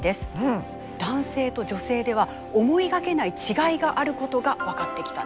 男性と女性では思いがけない違いがあることが分かってきたんです。